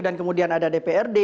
dan kemudian ada dprd